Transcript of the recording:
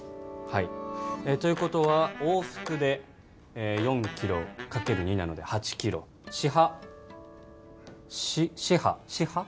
はいということは往復で４キロ×２なので８キロしはしはしは？